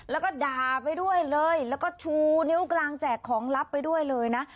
แล้วก็ด่าไปด้วยเลยแล้วก็ชูนิ้วกลางแจกของลับไปด้วยเลยนะ